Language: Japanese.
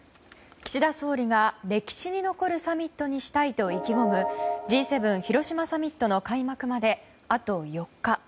岸田総理が歴史に残るサミットにしたいと意気込むＧ７広島サミットの開幕まであと４日。